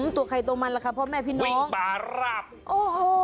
ตัวใครตัวมันล่ะคะพ่อแม่พี่น้องโอ้โฮ